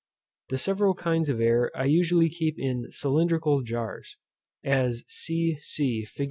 The several kinds of air I usually keep in cylindrical jars, as c, c, fig.